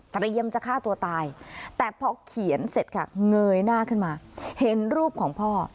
จะฆ่าตัวตายแต่พอเขียนเสร็จค่ะเงยหน้าขึ้นมาเห็นรูปของพ่อ